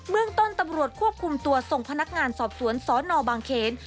เมืองต้นตำรวจควบคุมตัวส่งพนักงานสอบสวนสนบางเขน